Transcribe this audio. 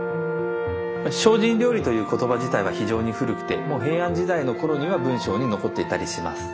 精進料理という言葉自体は非常に古くてもう平安時代の頃には文書に残っていたりします。